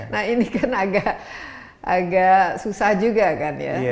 nah ini kan agak susah juga kan ya